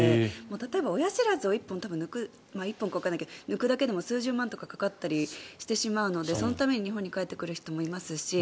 例えば親不知を１本抜きだけでも数十万とかかかったりしてしまうのでそのために日本に帰ってくる人もいますし。